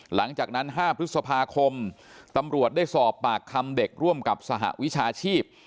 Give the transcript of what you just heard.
หลังจากนั้น๕พฤษภาคมตำรวจได้สอบปากคำเด็กร่วมกับสหวิชาชีพ